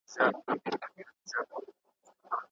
هغه وروسته د کلیوالو په څېر کالي اغوستل پیل کړل.